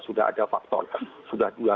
sudah ada faktor sudah dua sudah tiga